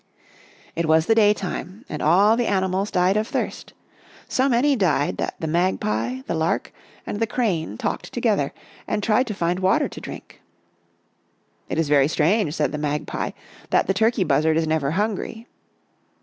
" It was the day time, and all the animals died of thirst. So many died that the Magpie, the Lark, and the Crane talked together, and tried to find water to drink. "' It is very strange,' said the Magpie, * that the Turkey Buzzard is never hungry.'